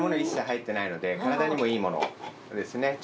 一切入ってないので体にもいいものですね。